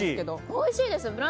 おいしいです。